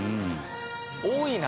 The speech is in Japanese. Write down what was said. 多いな。